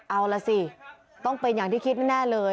เอาล่ะสิต้องเป็นอย่างที่คิดแน่เลย